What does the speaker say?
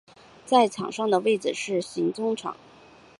在场上的位置是型中场。